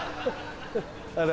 あら。